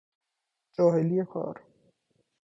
جاهلی کار